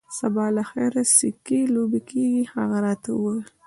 سبا له خیره سکی لوبې کیږي. هغه راته وویل.